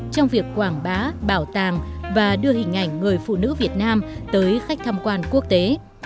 trong việc quảng bá bảo tàng và đưa hình ảnh người phụ nữ việt nam tới khách tham quan quốc tế